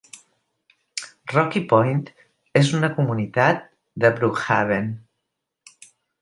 Rocky Point és una comunitat de Brookhaven.